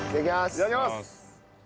いただきます！